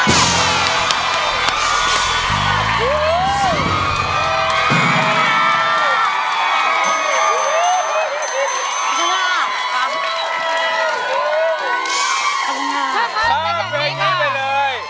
ร้องเพลงนี้ไปเลย